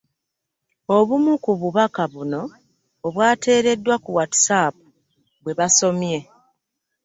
Obumu ku bubaka buno obwateereddwa ku Whatsapp bwe busomye.